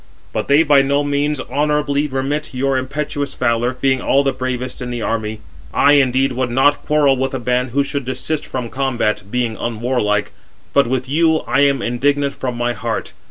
But they by no means honourably remit your impetuous valour, being all the bravest in the army: I indeed would not quarrel with a man who should desist from combat, being unwarlike; but with you I am indignant from my heart.